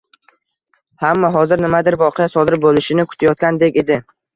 Hamma hozir nimadir voqea sodir boʻlishini kutayotgandek edi